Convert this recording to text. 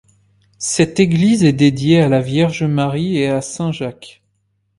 Cette église est dédiée à la Vierge Marie et à saint Jacques.